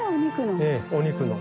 お肉の。